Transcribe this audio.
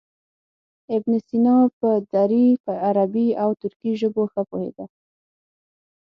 ابن سینا په دري، عربي او ترکي ژبو ښه پوهېده.